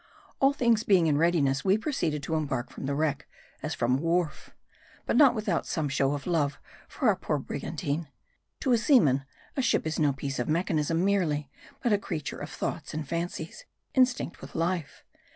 All things being in readiness, we proceeded to embark from the wreck, as from a wharf. MARDI. 145 But not without some show of love for our poor brigan tine. To a seaman, a ship is no piece of mechanism merely; but a creature of tfioughts and fancies, instinct with life.